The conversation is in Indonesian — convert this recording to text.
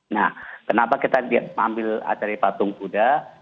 nah kenapa kita ambil acara di patung kuda